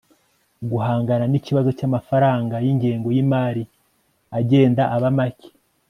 guhangana n'ikibazo cy'amafaranga y'ingengo y'imari agenda aba make